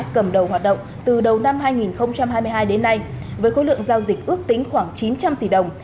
cầm đầu hoạt động từ đầu năm hai nghìn hai mươi hai đến nay với khối lượng giao dịch ước tính khoảng chín trăm linh tỷ đồng